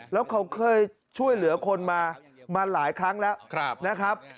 แล้วเขาเคยช่วยเหลือคนมาหลายครั้งแล้วนะครับ